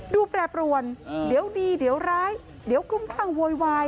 แปรปรวนเดี๋ยวดีเดี๋ยวร้ายเดี๋ยวคลุ้มคลั่งโวยวาย